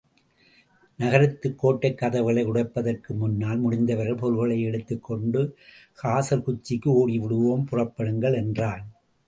நகரத்துக் கோட்டைக் கதவுகளை உடைப்பதற்கு முன்னால், முடிந்தவரை பொருள்களை எடுத்துக் கொண்டு காசர்குச்சிக்கு ஓடிவிடுவோம், புறப்படுங்கள் என்றான்.